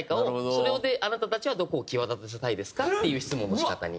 「それであなたたちはどこを際立たせたいですか？」っていう質問の仕方に。